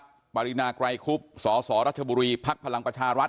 วันนี้ครับปารีนากรายคุบสอสสรัชบุรีพลักษณ์พลังประชารัฐ